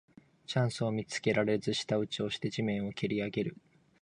チャンスを見つけられず舌打ちをして地面をけりあげる